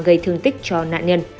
gây thương tích cho nạn nhân